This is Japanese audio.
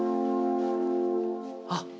あっ！